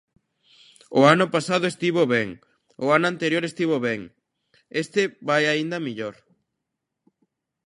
O ano pasado estivo ben, o ano anterior estivo ben, este vai aínda mellor.